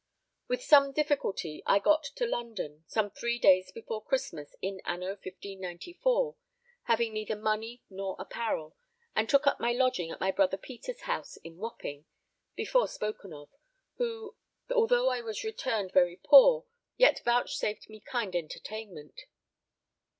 With some difficulty I got to London, some three days before Christmas in anno 1594, having neither money nor apparel, and took up my lodging at my brother Peter's house in Wapping, before spoken of, who, although I was returned very poor, yet vouchsafed me kind entertainment.